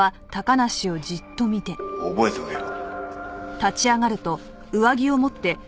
覚えておけよ。